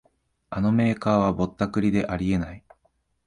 あのメーカーはぼったくりであり得ない